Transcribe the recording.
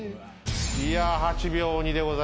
いや８秒２でございます。